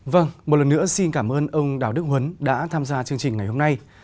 vâng một lần nữa xin cảm ơn ông đào đức huấn đã tham gia chương trình ngày hôm nay